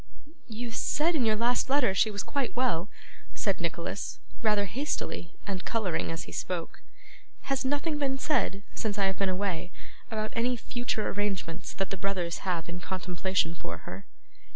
'You said in your last letter that she was quite well,' said Nicholas, rather hastily, and colouring as he spoke. 'Has nothing been said, since I have been away, about any future arrangements that the brothers have in contemplation for her?